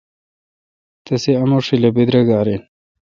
تسے°اموشیل اے°بیدرگََاراین۔